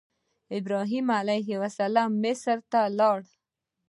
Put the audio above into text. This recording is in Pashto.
ابراهیم علیه السلام مصر ته لاړ.